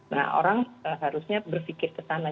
nah orang harusnya berpikir kesana